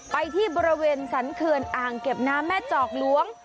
ไปที่บริเวณสรรเขื่อนอ่างเก็บน้ำแม่จอกหลวง